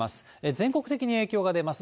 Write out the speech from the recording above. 全国的に影響が出ます。